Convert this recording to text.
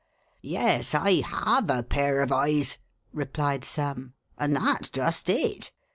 "Yes, I have a pair of eyes," replied Sam, "and that's just it.